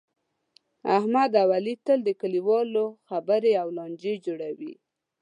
احمد اوعلي تل د کلیوالو خبرې او لانجې جوړوي.